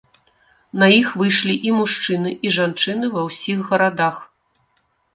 На іх выйшлі і мужчыны, і жанчыны ва ўсіх гарадах.